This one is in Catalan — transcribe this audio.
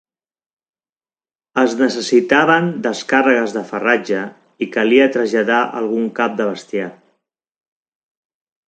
Es necessitaven descàrregues de farratge i calia traslladar algun cap de bestiar.